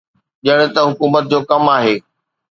ڄڻ ته حڪومت جو ڪم آهي.